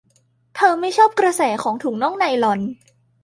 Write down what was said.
เธอไม่ชอบกระแสของถุงน่องไนลอน